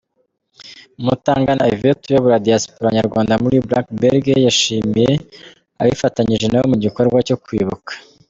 Umutangana Yvette uyobora Diaspora nyarwanda muri Blankenberge yashimiye abifatanyije nabo mu gikorwa cyo kwibuka.